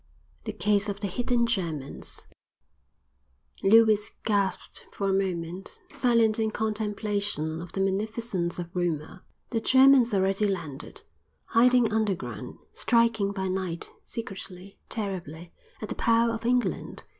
The Case of the Hidden Germans Lewis gasped for a moment, silent in contemplation of the magnificence of rumor. The Germans already landed, hiding underground, striking by night, secretly, terribly, at the power of England!